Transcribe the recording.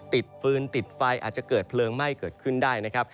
ฟืนติดไฟอาจจะเกิดเพลิงไหม้เกิดขึ้นได้นะครับ